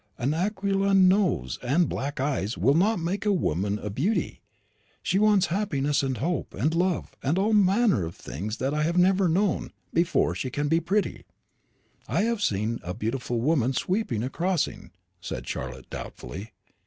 An aquiline nose and black eyes will not make a woman a beauty; she wants happiness, and hope, and love, and all manner of things that I have never known, before she can be pretty." "I have seen a beautiful woman sweeping a crossing," said Charlotte doubtfully.